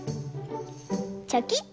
チョキッと！